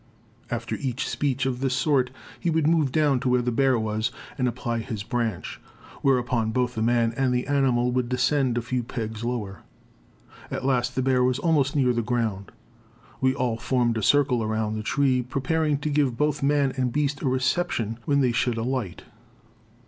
After each speech of this sort he would move down to where the bear was and apply his branch, whereupon both the man and the animal would descend a few pegs lower. At last the bear was almost near the ground. We all formed a circle around the tree, prepared to give both man and beast a reception when they should alight.